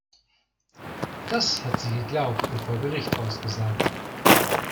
Das hat sie geglaubt und vor Gericht ausgesagt.